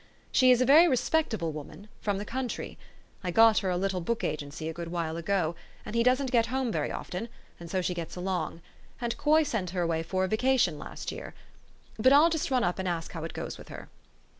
She is a very respectable woman, from the country. I got her a little book agency a good while ago ; and he doesn't get home very often, and so she gets along. And Coy sent her away for a vacation last year. But I'll just run up and ask how it goes with her."